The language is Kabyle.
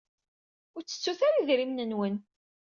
Ur ttettut ara idrimen-nwen.